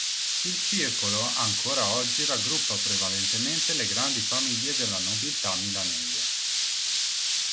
Il Circolo ancora oggi raggruppa prevalentemente le grandi famiglie della nobiltà milanese.